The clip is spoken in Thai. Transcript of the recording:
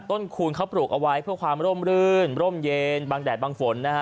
คูณเขาปลูกเอาไว้เพื่อความร่มรื่นร่มเย็นบางแดดบางฝนนะฮะ